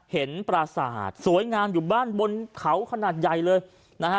ปราสาทสวยงามอยู่บ้านบนเขาขนาดใหญ่เลยนะฮะ